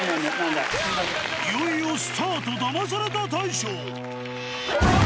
いよいよスタート、ダマされた大賞。